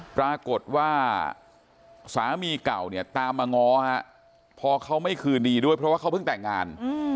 ปรากฏว่าสามีเก่าเนี่ยตามมาง้อฮะพอเขาไม่คืนดีด้วยเพราะว่าเขาเพิ่งแต่งงาน